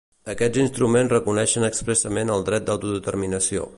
Aquests instruments reconeixen expressament el dret d’autodeterminació.